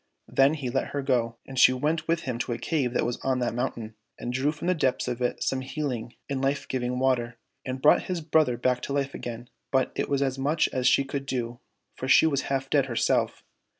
Then he let her go, and she went with him to a cave that was on that mountain, and drew from the depths of it some healing and life giving water, and brought his brother back to life again, but it was as much as she could do, for she was half dead herself.